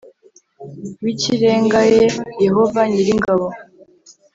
W ikirengae yehova nyir ingabo